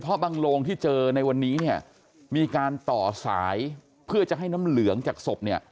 เพราะบางโลงที่เจอในวันนี้เนี่ยมีการต่อสายเพื่อจะให้น้ำเหลืองจากศพเนี่ย